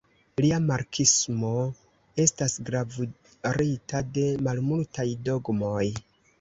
Lia marksismo estas gravurita de malmultaj dogmoj.